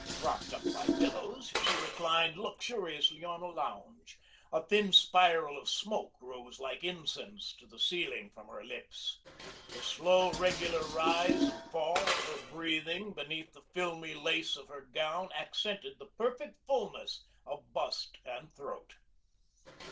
Propped up by pillows, she reclined luxuriously on a lounge. A thin spiral of smoke rose like incense to the ceiling from her lips. The slow, regular rise and fall of her breathing beneath the filmy lace of her gown accented the perfect fullness of bust and throat.